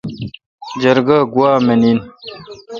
جرگہ گوا منین۔